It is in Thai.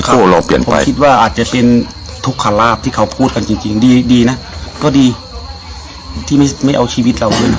ก็ก็อาจจะเป็นทุกขลาดที่เขาพูดกันจริงเดี๋ยวดีนะก็ดีที่ไม่เอาชีวิตเราเลยนะ